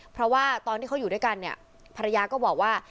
เพราะว่าตอนที่เขาอยู่ด้วยกันเนี่ยภรรยาก็บอกว่า